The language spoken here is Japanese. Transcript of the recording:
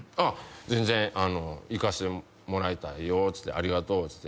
「全然行かしてもらいたいよありがとう」